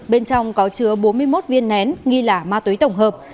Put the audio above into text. bên trong có chứa bốn mươi một viên nén nghi là ma túy tổng hợp